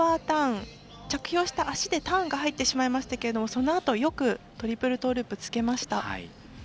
ターン着氷して足でターンが入ってしまいましたけれどもそのあとよくトリプルトーループつけました。